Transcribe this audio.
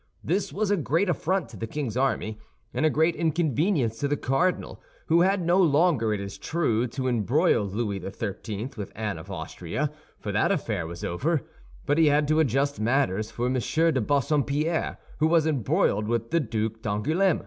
This was a great affront to the king's army, and a great inconvenience to the cardinal, who had no longer, it is true, to embroil Louis XIII. with Anne of Austria—for that affair was over—but he had to adjust matters for M. de Bassompierre, who was embroiled with the Duc d'Angoulême.